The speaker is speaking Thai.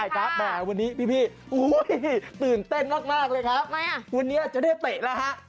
วันนี้พี่ตื่นเต้นมากเลยครับวันนี้จะได้เตะแล้วครับ